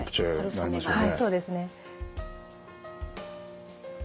はいそうですね。